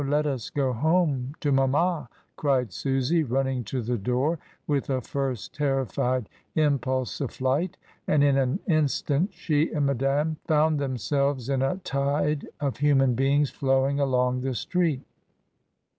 Let us go home to mamma," cried Susy, running to the door with a first terrified im pulse of flight, and in an instant she and Madame found themselves in a tide of human beings flowing along the street.